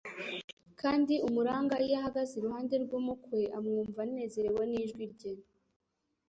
kandi umuranga iyo ahagaze iruhande rw'umukwe, amwumva anezerewe n'ijwi rye,